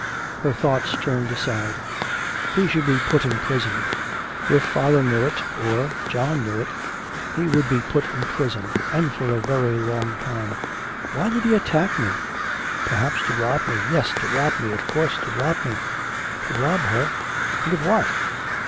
Her thoughts turned aside. 'He should be put in prison.... If father knew it, or John knew it, he would be put in prison, and for a very long time.... Why did he attack me? ... Perhaps to rob me; yes, to rob me, of course, to rob me.' To rob her, and of what?...